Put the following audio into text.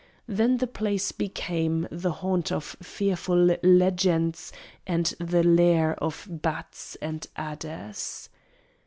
Then the place became The haunt of fearful legends and the lair Of bats and adders.